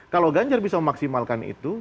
kalau ganjar bisa memaksimalkan itu